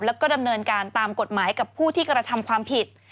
แล้วก็ดำเนินการตามกฎหมายกับผู้ที่กระทำความผิด